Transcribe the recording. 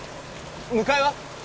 迎えは？